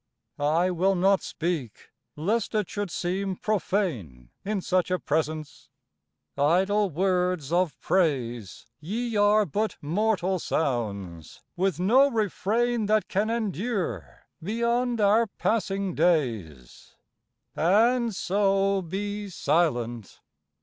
I will not speak, lest it should seem profane In such a presence; idle words of praise Ye are but mortal sounds, with no refrain That can endure beyond our passing days, And so be silent!